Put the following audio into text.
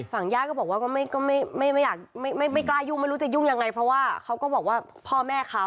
ญาติก็บอกว่าก็ไม่อยากไม่กล้ายุ่งไม่รู้จะยุ่งยังไงเพราะว่าเขาก็บอกว่าพ่อแม่เขา